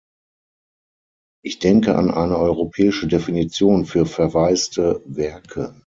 Ich denke an eine europäische Definition für verwaiste Werke.